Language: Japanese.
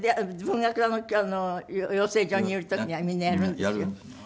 文学座の養成所にいる時にはみんなやるんですよ。